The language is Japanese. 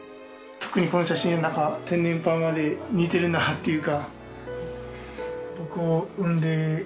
特にこの写真なんか天然パーマで似てるなっていうか。